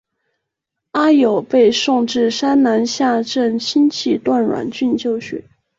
阮攸被送至山南下镇亲戚段阮俊就学。